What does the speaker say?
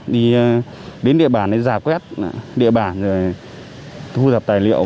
đi đến địa bàn giả quét địa bàn rồi thu dập tài liệu